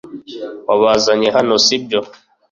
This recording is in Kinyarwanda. wabazanye hano, si byo